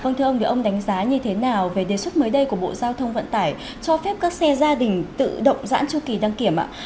vâng thưa ông để ông đánh giá như thế nào về đề xuất mới đây của bộ giao thông vận tải cho phép các xe gia đình tự động dãn chu kỳ đăng kiểm